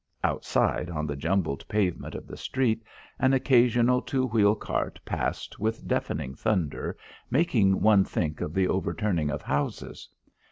Outside, on the jumbled pavement of the street, an occasional two wheel cart passed with deafening thunder, making one think of the overturning of houses.